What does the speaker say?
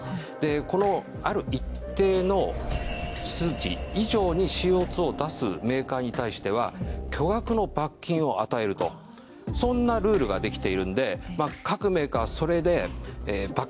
このある一定の数値以上にＣＯ２を出すメーカーに対しては巨額の罰金を与えるとそんなルールができているんで。